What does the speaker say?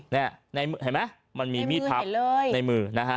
นี่เห็นไหมมันมีมีดพับในมือนะฮะ